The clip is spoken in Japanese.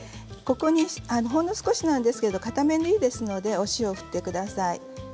ここにほんの少しなんですが片面でいいですのでお塩を振ってください。